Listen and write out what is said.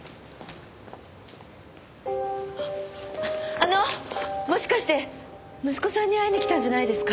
あのもしかして息子さんに会いに来たんじゃないですか？